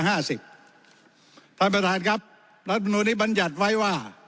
ท่านประธานครับรัฐมนุนนี้บรรยัติไว้ว่า